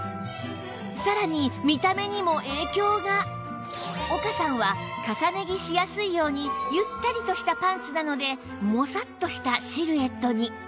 さらに岡さんは重ね着しやすいようにゆったりとしたパンツなのでもさっとしたシルエットに